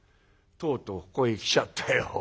とうとうここへきちゃったよ。